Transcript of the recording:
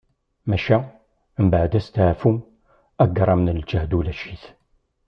Maca, mbaɛd asteɛfu, agṛam n lǧehd ulac-it.